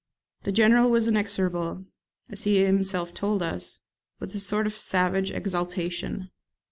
The General was inexorable, as he himself told us, with a sort of savage exaltation.